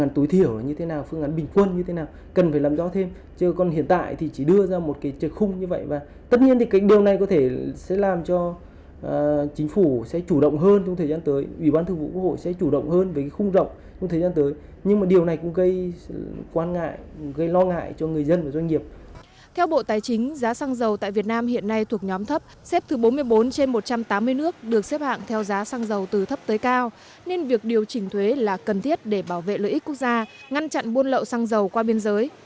theo bộ tài chính giá xăng dầu tại việt nam hiện nay thuộc nhóm thấp xếp thứ bốn mươi bốn trên một trăm tám mươi nước được xếp hạng theo giá xăng dầu từ thấp tới cao nên việc điều chỉnh thuế là cần thiết để bảo vệ lợi ích quốc gia ngăn chặn buôn lậu xăng dầu qua biên giới